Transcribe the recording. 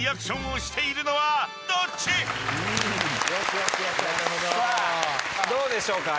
どうでしょうか？